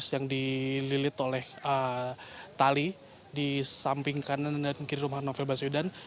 yang diberikan oleh pembatas novel baswedan